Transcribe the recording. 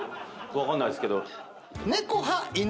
分かんないですけど。